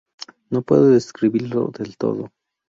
No puedo describirlo del todo.